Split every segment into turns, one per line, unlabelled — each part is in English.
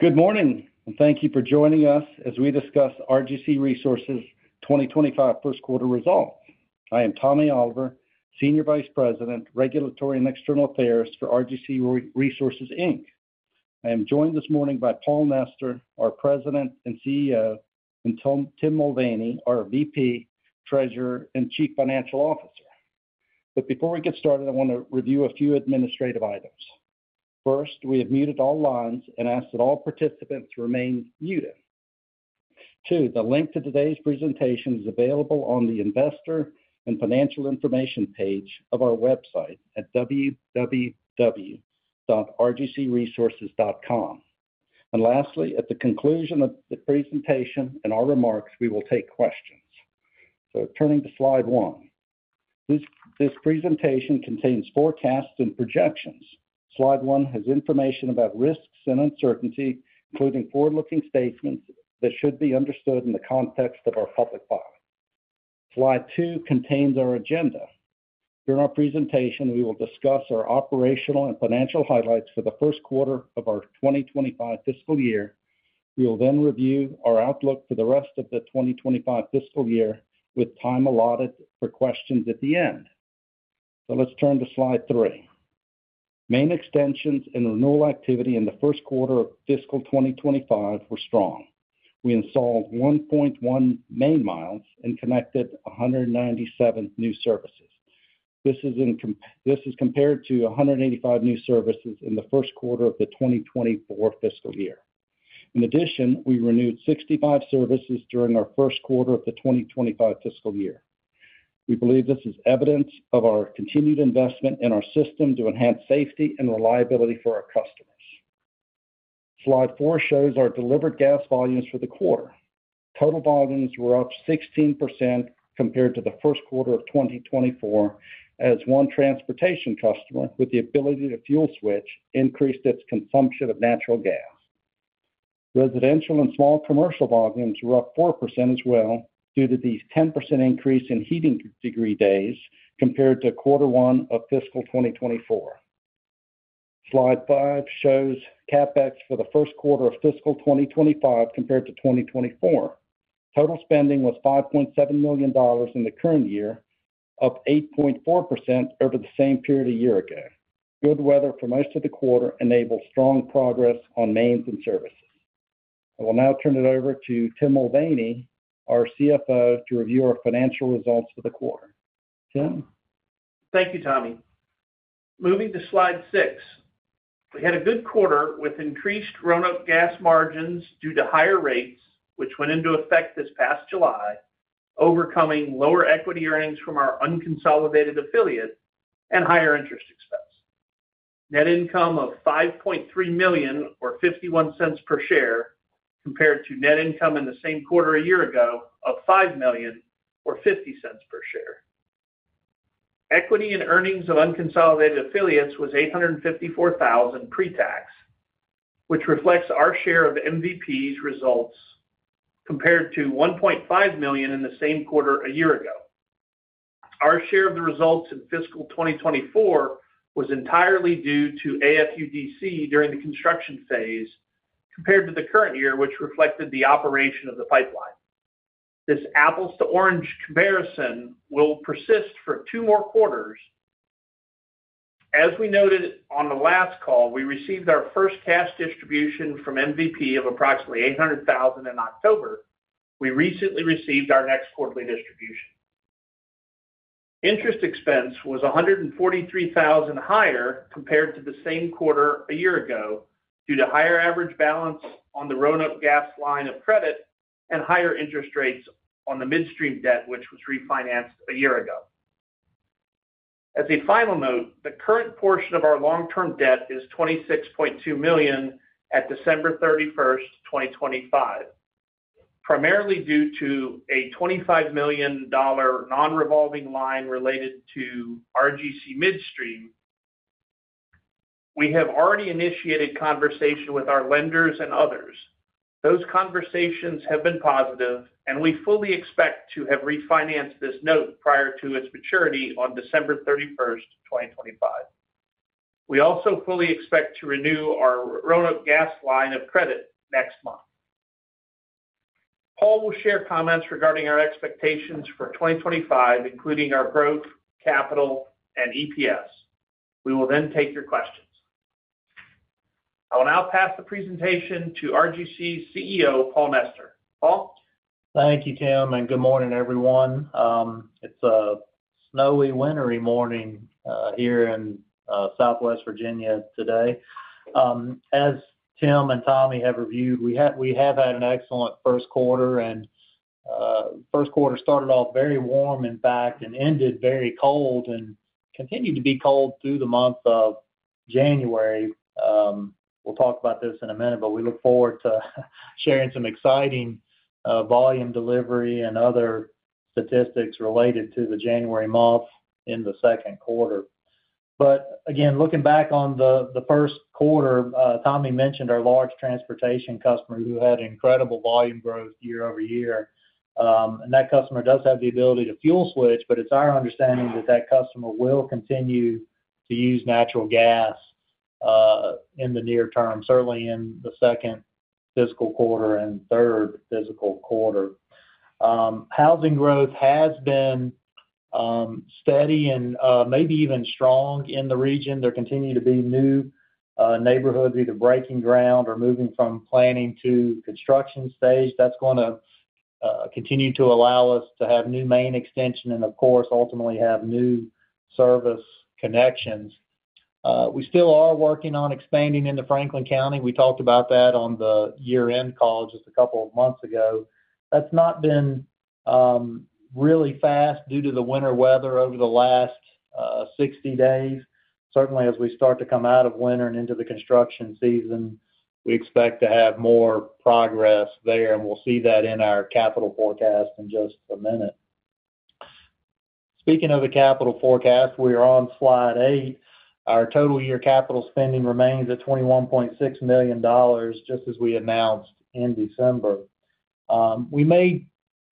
Good morning, and thank you for joining us as we discuss RGC Resources' 2025 First Quarter Results. I am Tommy Oliver, Senior Vice President, Regulatory and External Affairs for RGC Resources. I am joined this morning by Paul Nester, our President and CEO, and Tim Mulvaney, our VP, Treasurer, and Chief Financial Officer. Before we get started, I want to review a few administrative items. First, we have muted all lines and asked that all participants remain muted. Two, the link to today's presentation is available on the Investor and Financial Information page of our website at www.rgcresources.com. Lastly, at the conclusion of the presentation and our remarks, we will take questions. Turning to slide one. This presentation contains forecasts and projections. Slide one has information about risks and uncertainty, including forward-looking statements that should be understood in the context of our public filing. Slide two contains our agenda. During our presentation, we will discuss our operational and financial highlights for the first quarter of our 2025 fiscal year. We will then review our outlook for the rest of the 2025 fiscal year with time allotted for questions at the end. Let's turn to slide three. Main extensions and renewal activity in the first quarter of fiscal 2025 were strong. We installed 1.1 miles of main and connected 197 new services. This is compared to 185 new services in the first quarter of the 2024 fiscal year. In addition, we renewed 65 services during our first quarter of the 2025 fiscal year. We believe this is evidence of our continued investment in our system to enhance safety and reliability for our customers. Slide four shows our delivered gas volumes for the quarter. Total volumes were up 16% compared to the first quarter of 2024, as one transportation customer with the ability to fuel switch increased its consumption of natural gas. Residential and small commercial volumes were up 4% as well due to the 10% increase in heating degree days compared to quarter one of fiscal 2024. Slide five shows CapEx for the first quarter of fiscal 2025 compared to 2024. Total spending was $5.7 million in the current year, up 8.4% over the same period a year ago. Good weather for most of the quarter enabled strong progress on mains and services. I will now turn it over to Tim Mulvaney, our CFO, to review our financial results for the quarter. Tim?
Thank you, Tommy. Moving to slide six, we had a good quarter with increased growth gas margins due to higher rates, which went into effect this past July, overcoming lower equity earnings from our unconsolidated affiliate and higher interest expense. Net income of $5.3 million, or $0.51 per share, compared to net income in the same quarter a year ago of $5 million, or $0.50 per share. Equity in earnings of unconsolidated affiliates was $854,000 pre-tax, which reflects our share of MVP's results compared to $1.5 million in the same quarter a year ago. Our share of the results in fiscal 2024 was entirely due to AFUDC during the construction phase compared to the current year, which reflected the operation of the pipeline. This apples-to-oranges comparison will persist for two more quarters. As we noted on the last call, we received our first cash distribution from MVP of approximately $800,000 in October. We recently received our next quarterly distribution. Interest expense was $143,000 higher compared to the same quarter a year ago due to higher average balance on the Roanoke Gas line of credit and higher interest rates on the midstream debt, which was refinanced a year ago. As a final note, the current portion of our long-term debt is $26.2 million at December 31, 2025. Primarily due to a $25 million non-revolving line related to RGC Midstream, we have already initiated conversation with our lenders and others. Those conversations have been positive, and we fully expect to have refinanced this note prior to its maturity on December 31, 2025. We also fully expect to renew our Roanoke Gas line of credit next month. Paul will share comments regarding our expectations for 2025, including our growth, capital, and EPS. We will then take your questions. I will now pass the presentation to RGC CEO, Paul Nester. Paul?
Thank you, Tim, and good morning, everyone. It is a snowy, wintery morning here in Southwest Virginia today. As Tim and Tommy have reviewed, we have had an excellent first quarter, and the first quarter started off very warm in fact and ended very cold and continued to be cold through the month of January. We will talk about this in a minute, but we look forward to sharing some exciting volume delivery and other statistics related to the January month in the second quarter. Again, looking back on the first quarter, Tommy mentioned our large transportation customer who had incredible volume growth year over year. That customer does have the ability to fuel switch, but it is our understanding that that customer will continue to use natural gas in the near term, certainly in the second fiscal quarter and third fiscal quarter. Housing growth has been steady and maybe even strong in the region. There continue to be new neighborhoods either breaking ground or moving from planning to construction stage. That is going to continue to allow us to have new main extension and, of course, ultimately have new service connections. We still are working on expanding into Franklin County. We talked about that on the year-end call just a couple of months ago. That has not been really fast due to the winter weather over the last 60 days. Certainly, as we start to come out of winter and into the construction season, we expect to have more progress there, and we will see that in our capital forecast in just a minute. Speaking of the capital forecast, we are on slide eight. Our total year capital spending remains at $21.6 million, just as we announced in December. We may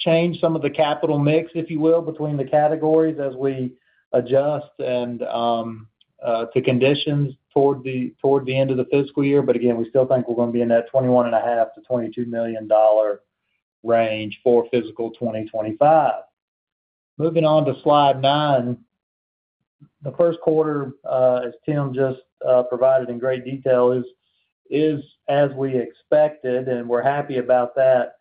change some of the capital mix, if you will, between the categories as we adjust and to conditions toward the end of the fiscal year. Again, we still think we're going to be in that $21.5 million-$22 million range for fiscal 2025. Moving on to slide nine, the first quarter, as Tim just provided in great detail, is as we expected, and we're happy about that.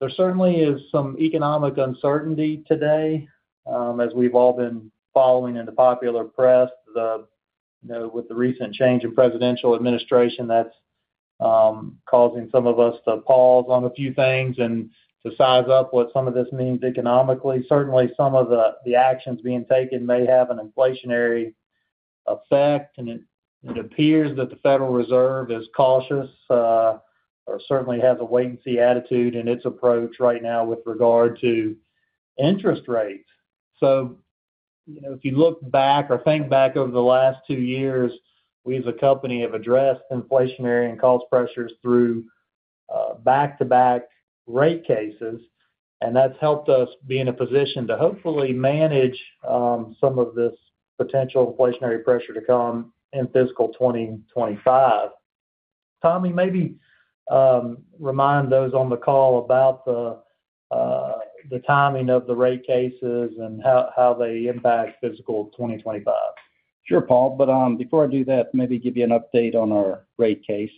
There certainly is some economic uncertainty today. As we've all been following in the popular press with the recent change in presidential administration, that's causing some of us to pause on a few things and to size up what some of this means economically. Certainly, some of the actions being taken may have an inflationary effect, and it appears that the Federal Reserve is cautious or certainly has a wait-and-see attitude in its approach right now with regard to interest rates. If you look back or think back over the last two years, we as a company have addressed inflationary and cost pressures through back-to-back rate cases, and that has helped us be in a position to hopefully manage some of this potential inflationary pressure to come in fiscal 2025. Tommy, maybe remind those on the call about the timing of the rate cases and how they impact fiscal 2025.
Sure, Paul. Before I do that, maybe give you an update on our rate case.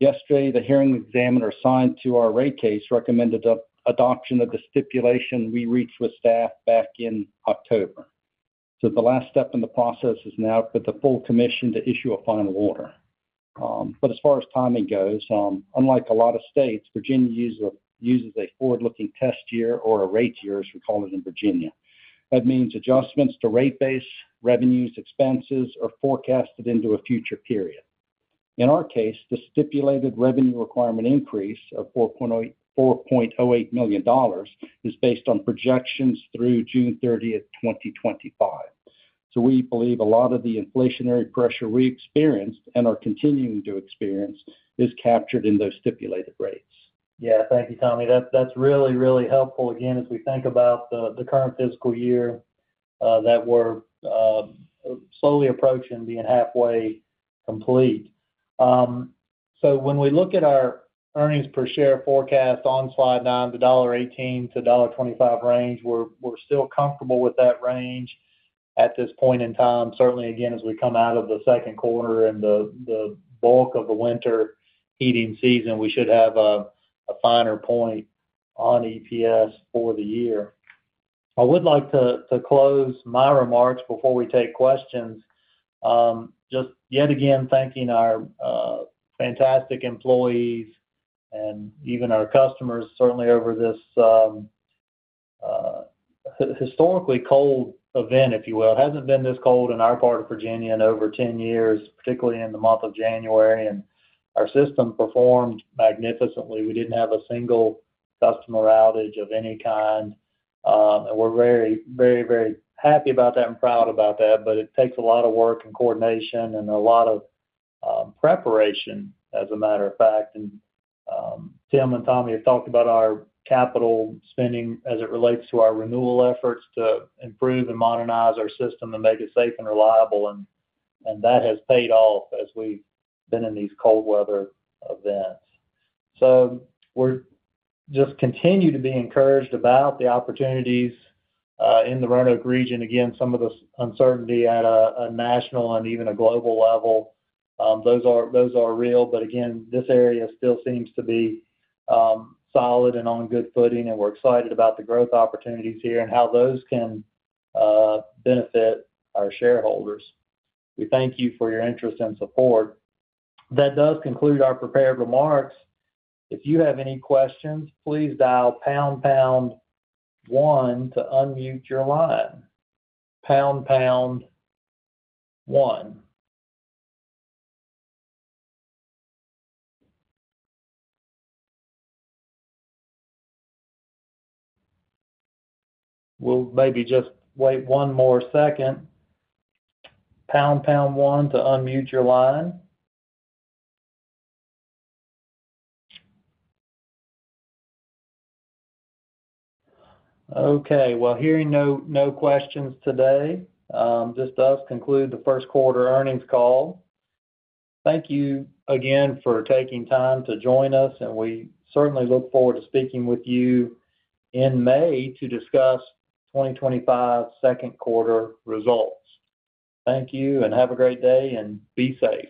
Yesterday, the hearing examiner assigned to our rate case recommended adoption of the stipulation we reached with staff back in October. The last step in the process is now for the full commission to issue a final order. As far as timing goes, unlike a lot of states, Virginia uses a forward-looking test year or a rate year, as we call it in Virginia. That means adjustments to rate base, revenues, expenses, are forecasted into a future period. In our case, the stipulated revenue requirement increase of $4.08 million is based on projections through June 30, 2025. We believe a lot of the inflationary pressure we experienced and are continuing to experience is captured in those stipulated rates.
Yeah, thank you, Tommy. That's really, really helpful. Again, as we think about the current fiscal year that we're slowly approaching being halfway complete. When we look at our earnings per share forecast on slide nine, the $1.18-$1.25 range, we're still comfortable with that range at this point in time. Certainly, again, as we come out of the second quarter and the bulk of the winter heating season, we should have a finer point on EPS for the year. I would like to close my remarks before we take questions. Just yet again, thanking our fantastic employees and even our customers, certainly over this historically cold event, if you will. It hasn't been this cold in our part of Virginia in over 10 years, particularly in the month of January. Our system performed magnificently. We didn't have a single customer outage of any kind. We are very, very, very happy about that and proud about that. It takes a lot of work and coordination and a lot of preparation, as a matter of fact. Tim and Tommy have talked about our capital spending as it relates to our renewal efforts to improve and modernize our system and make it safe and reliable. That has paid off as we have been in these cold weather events. We just continue to be encouraged about the opportunities in the Roanoke region. Some of the uncertainty at a national and even a global level, those are real. This area still seems to be solid and on good footing, and we are excited about the growth opportunities here and how those can benefit our shareholders. We thank you for your interest and support. That does conclude our prepared remarks. If you have any questions, please dial pound pound one to unmute your line pound pound one. Maybe just wait one more second. Pound pound one to unmute your line. Okay. Hearing no questions today, this does conclude the first quarter earnings call. Thank you again for taking time to join us, and we certainly look forward to speaking with you in May to discuss 2025 second quarter results. Thank you, and have a great day and be safe.